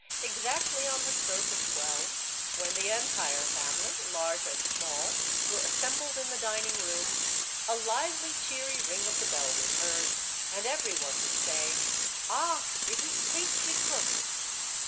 Exactly on the stroke of twelve, when the entire family — large and small — were assembled in the dining room, a lively, cheery ring of the bell was heard, and every one would say, —" Ah ! it is the pastry cook